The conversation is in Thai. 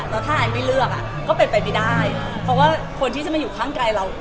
แล้วถ้าไอไม่เลือกก็เป็นไปไม่ได้เพราะว่าคนที่จะมาอยู่ข้างกายเรา